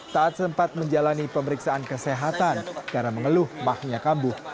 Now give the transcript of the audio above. taat sempat menjalani pemeriksaan kesehatan karena mengeluh mahnya kambuh